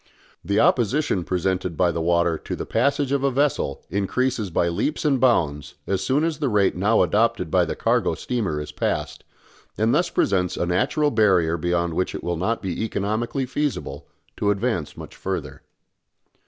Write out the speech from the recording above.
The opposition presented by the water to the passage of a vessel increases by leaps and bounds as soon as the rate now adopted by the cargo steamer is passed, and thus presents a natural barrier beyond which it will not be economically feasible to advance much further.